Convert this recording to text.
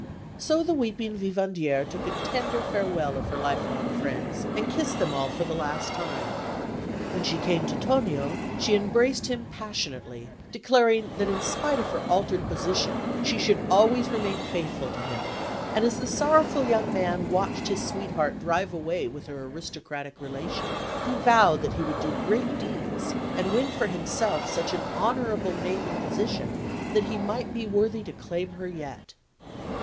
So the weeping vivandière took a tender farewell of her lifelong friends, and kissed them all for the last time. When she came to Tonio, she embraced him passionately, declaring that in spite of her altered position, she should always remain faithful to him; and as the sorrowful young man watched his sweetheart drive away with her aristocratic relation, he vowed that he would do great deeds, and win for himself such an honourable name and position that he might be worthy to claim her yet.